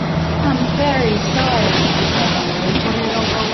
“I’m very sorry,” he said humbly.